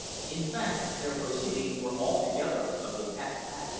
In fact their proceedings were altogether of the cat catty.